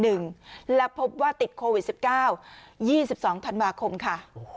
และพบว่าติดโควิด๑๙๒๒ธันวาคมค่ะ